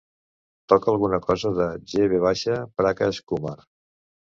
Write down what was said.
Toca alguna cosa de G. V. Prakash Kumar